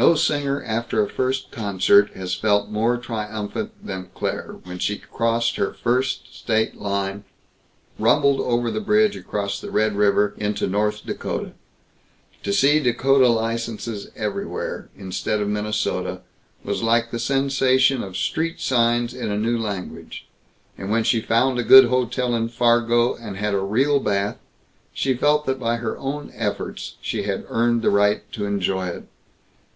No singer after a first concert has felt more triumphant than Claire when she crossed her first state line; rumbled over the bridge across the Red River into North Dakota. To see Dakota car licenses everywhere, instead of Minnesota, was like the sensation of street signs in a new language. And when she found a good hotel in Fargo and had a real bath, she felt that by her own efforts she had earned the right to enjoy it.